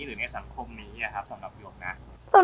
หรือในสังคมนี้สำหรับหยกนะ